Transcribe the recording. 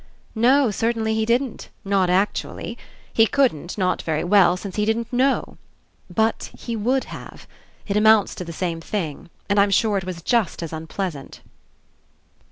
"No, certainly he didn't. Not actually. He couldn't, not very well, since he didn't know. But he would have. It amounts to the same thing. And I'm sure it was just as un pleasant."